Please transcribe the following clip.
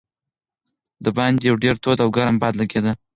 د باندې یو ډېر تود او ګرم باد لګېده.